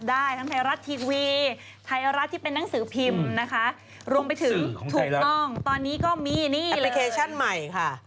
แอปพลิเคชันใหม่ค่ะ